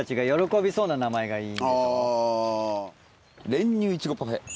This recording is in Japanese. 練乳いちごパフェ。